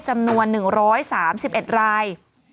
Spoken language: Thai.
จำนวน๑๓๑ราย